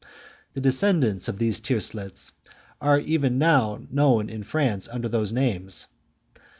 The descendants of those tiercelets are even now known in France under those names.